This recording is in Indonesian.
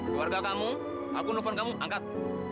keluarga kamu aku nelfon kamu angkat